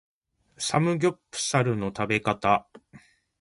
サムギョプサルの食べ方